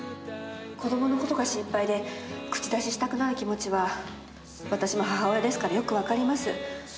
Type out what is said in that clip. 子供のことが心配で口出ししたくなる気持ちは私も母親ですからよく分かります。